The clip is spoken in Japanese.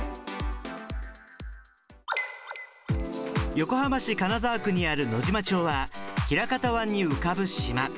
横浜市金沢区にある野島町は平潟湾に浮かぶ島。